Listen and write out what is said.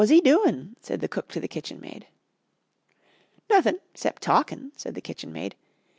"] "Wot was 'e doin'?" said the cook to the kitchenmaid. "Nothin' 'cept talkin'," said the kitchenmaid.